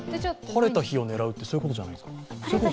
晴れた日を狙うってそういうことじゃないんですか？